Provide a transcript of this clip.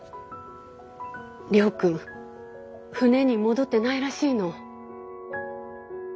亮君船に戻ってないらしいの。